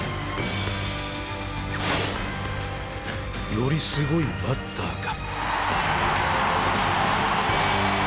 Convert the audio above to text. よりすごいバッターが。